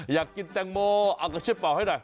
อยากกินแตงโมเอากระช่วยเป่าให้หน่อย